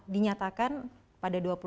dinyatakan pada dua puluh satu